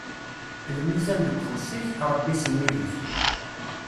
Lmizan deg ufus-ik, Ṛebbi sennig-k.